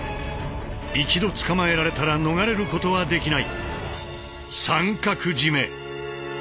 一度捕まえられたら逃れることはできない。